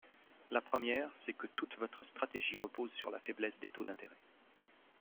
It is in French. La première, c’est que toute votre stratégie repose sur la faiblesse des taux d’intérêt.